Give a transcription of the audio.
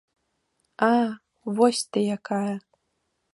А, вось ты якая.